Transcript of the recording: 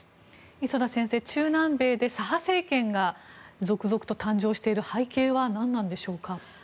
磯田先生、中南米で左派政権が続々と誕生している背景は何なのでしょうか。